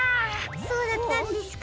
そうだったんですか。